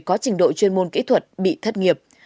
có trình độ chuyên môn kỹ thuật bị thất nghiệp